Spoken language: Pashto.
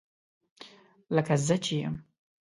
لکه زه چې یم